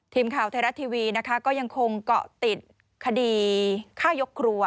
ทีมข่าวไทยรัฐทีวีนะคะก็ยังคงเกาะติดคดีฆ่ายกครัว